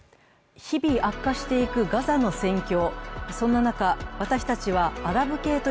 日々悪化していくガザの戦況。